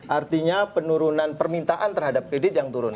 artinya penurunan permintaan terhadap kredit yang turun